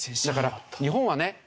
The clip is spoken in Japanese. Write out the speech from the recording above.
だから日本はね